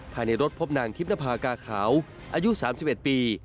ภายในรถพบนางทิพนภากาขาวอายุ๓๑ปี